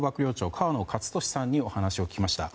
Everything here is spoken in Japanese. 河野克俊さんにお話を聞きました。